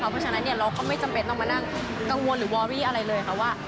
เพราะฉะนั้นเราก็ไม่จำเป็นต้องมานั่งกังวลหรือวอรี่อะไรเลยค่ะว่า